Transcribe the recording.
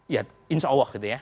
ya insya allah gitu ya